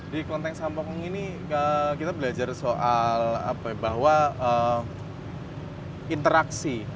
di kelenteng sampokong ini kita belajar soal bahwa interaksi